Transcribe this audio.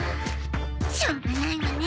しょうがないわね。